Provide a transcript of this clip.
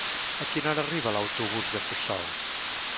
A quina hora arriba l'autobús de Puçol?